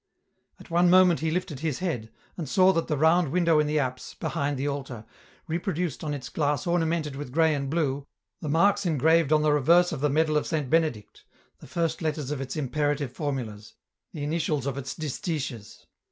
At one moment he lifted his head, and saw that the round window in the apse, behind the altar, reproduced on its glass ornamented with grey and blue, the marks engraved on the reverse of the medal of Saint Benedict, the first letters of its imperative formulas, the initials of its distiches.